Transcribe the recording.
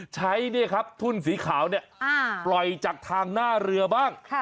ใช้ทุ่นสีขาวเนี่ยปล่อยจากทางหน้าเรือบ้าง